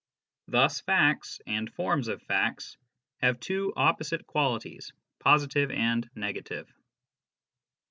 Thus facts, and forms of facts, have two opposite qualities, positive and negative.